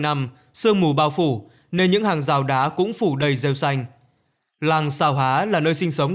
năm sương mù bao phủ nên những hàng rào đá cũng phủ đầy gieo xanh làng xào há là nơi sinh sống